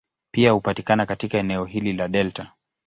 Pia hupatikana katika eneo hili la delta.